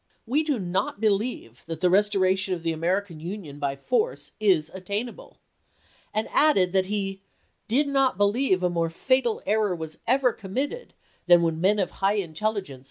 x. "We do not believe that the restoration of the American Union by force is attainable," and added that he " did not believe a more fatal error was ever committed than when men of high intelligence